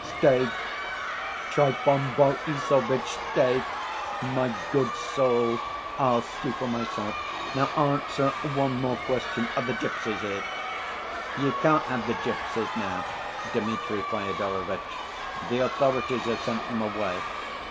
"Stay, Trifon Borissovitch, stay, my good soul, I'll see for myself. Now answer one more question: are the gypsies here?" "You can't have the gypsies now, Dmitri Fyodorovitch. The authorities have sent them away.